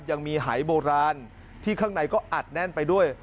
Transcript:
ยังมีหายโบราณที่ข้างในก็อัดแน่นไปด้วย